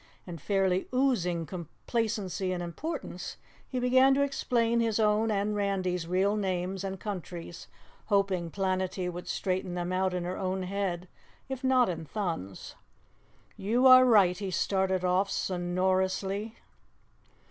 And, fairly oozing complacency and importance, he began to explain his own and Randy's real names and countries, hoping Planetty would straighten them out in her own head, if not in Thun's. "You are right," he started off sonorously.